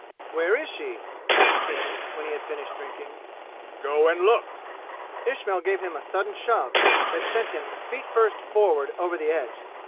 "Where is she?" asked King, when he had finished drinking. "Go and look!" Ismail gave him a sudden shove, that sent him feet first forward over the edge.